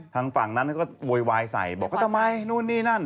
ทางฝั่งนั้นเขาก็โวยวายใส่บอกว่าทำไมนู่นนี่นั่น